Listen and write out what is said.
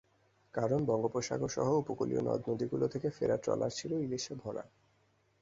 কারণ, বঙ্গোপসাগরসহ উপকূলীয় নদ নদীগুলো থেকে ফেরা ট্রলার ছিল ইলিশে ভরা।